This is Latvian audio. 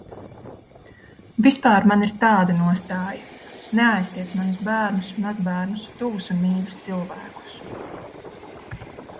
Vispār man ir tāda nostāja: neaiztiec manus bērnus, mazbērnus, tuvus un mīļus cilvēkus.